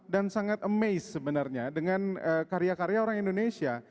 dan sangat amazed sebenarnya dengan karya karya orang indonesia